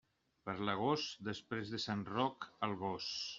Per l'agost, després de Sant Roc, el gos.